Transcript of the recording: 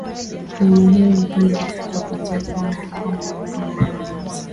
ni mhimu upande wa afrika kuanza kuona ya kwamba mahakama yanaanza